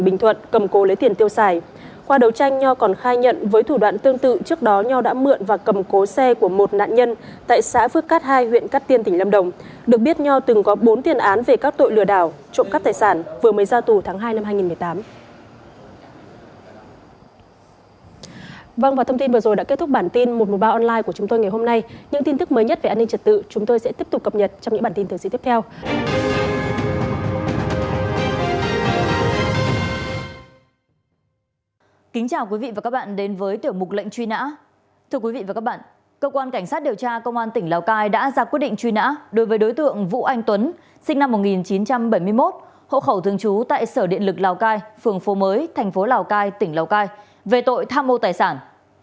sinh năm một nghìn chín trăm bảy mươi một hộ khẩu thương chú tại sở điện lực lào cai phường phố mới thành phố lào cai tỉnh lào cai về tội tham mô tài sản